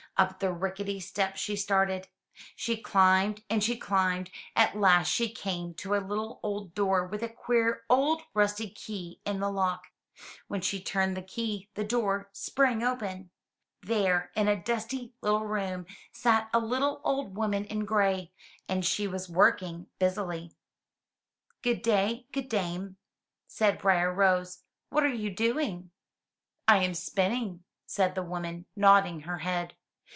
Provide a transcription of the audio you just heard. Up the rickety steps she started. She climbed and she climbed and at last she came to a little old door with a queer old rusty key in the lock. When she turned the key, the door sprang open. There in a dusty little room, sat a little old woman in gray, and she was working busily. "Good day, good dame,'' said Briar rose, "what are you doing?" "I am spinning,'* said the woman, nodding her head.